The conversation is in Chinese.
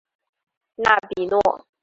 纳比诺。